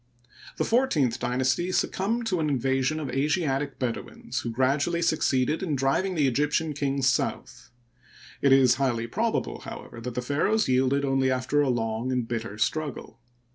— The fourteenth dy nasty succumbed to an invasion of Asiatic Bedouins, who gradually succeeded in driving the Egyptian kings south. It is highly probable, however, that the pharaohs yielded only after a long and bitter struggle.